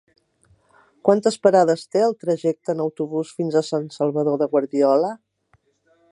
Quantes parades té el trajecte en autobús fins a Sant Salvador de Guardiola?